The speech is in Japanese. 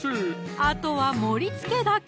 あとは盛りつけだけ！